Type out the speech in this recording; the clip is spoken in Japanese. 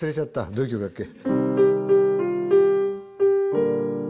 どういう曲だっけ？